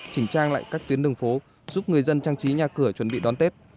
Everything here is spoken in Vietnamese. chỉnh trang lại các tuyến đường phố giúp người dân trang trí nhà cửa chuẩn bị đón tết